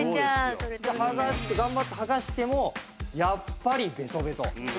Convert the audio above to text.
剥がして頑張って剥がしてもやっぱりベトベト。